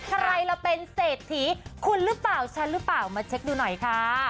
ใครเราเป็นเศรษฐีคุณหรือเปล่าฉันหรือเปล่ามาเช็คดูหน่อยค่ะ